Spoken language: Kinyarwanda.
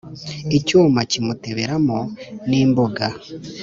icyuma kimutebera mo n’imbuga